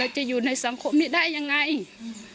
จะอยู่ในสังคมนี้ได้ยังไงอืม